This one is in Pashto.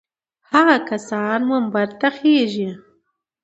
هغه کسان منبر ته خېژي.